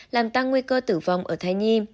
làm tăng nguy cơ tử vong ở thai nhi